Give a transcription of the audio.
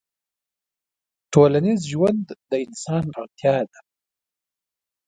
ټولنيز ژوند د انسان اړتيا ده